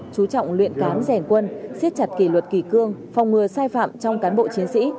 chú trọng luyện cán rèn quân siết chặt kỷ luật kỳ cương phòng ngừa sai phạm trong cán bộ chiến sĩ